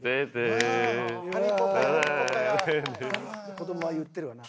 子どもは言ってるわな。